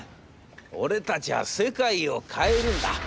俺たちは世界を変えるんだ』。